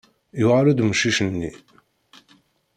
Yuɣal-d umcic-nni.